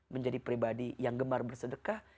menjadi pribadi yang gemar bersedekah